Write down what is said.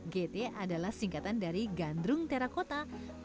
gt adalah singkatan dari gandrung terakota